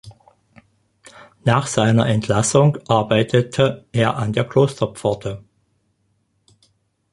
Nach seiner Entlassung arbeitete er an der Klosterpforte.